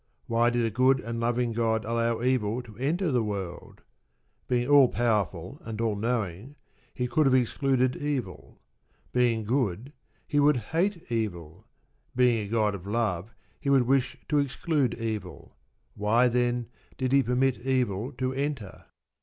Why did a good and loving God allow evil to enter the world? Being All Powerful and All knowing, He could have excluded evil. Being good, He would hate evil. Being a God of Love He would wish to exclude evil. Why, then, did He permit evil to enter?